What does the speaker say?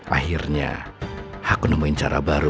akhirnya aku nemuin cara baru